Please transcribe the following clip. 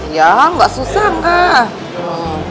ya nggak susah mbah